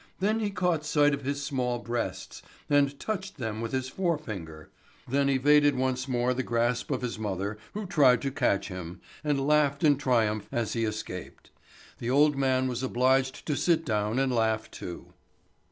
Then he caught sight of his small breasts, and touched them with his fore finger, then evaded once more the grasp of his mother, who tried to catch him, and laughed in triumph as he escaped. The old man was obliged to sit down and laugh too.